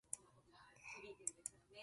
青空が違う